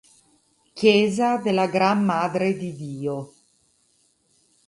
Chiesa della Gran Madre di Dio